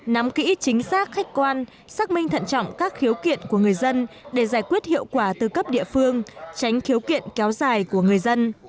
nắm kỹ chính xác khách quan xác minh thận trọng các khiếu kiện của người dân để giải quyết hiệu quả từ cấp địa phương tránh khiếu kiện kéo dài của người dân